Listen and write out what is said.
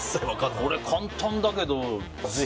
これ、簡単だけど。